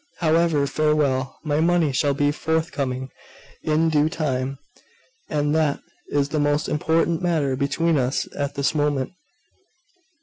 However, farewell! My money shall be forthcoming in due time; and that is the most important matter between us at this moment.